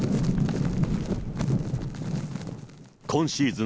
今シーズン